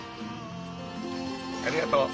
ありがとう。